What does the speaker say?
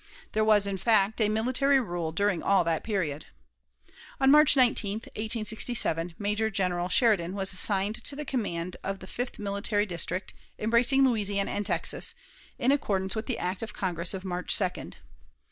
There was, in fact, a military rule during all that period. On March 19, 1867, Major General Sheridan was assigned to the command of the Fifth Military District, embracing Louisiana and Texas, in accordance with the act of Congress of March 2d.